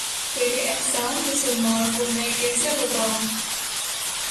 تیرے احسان مسلماں کو میں کیسے بتاؤں